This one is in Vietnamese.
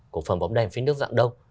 cổ phòng bóng đèn phí nước dạng đông